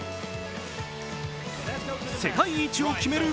世界一を決める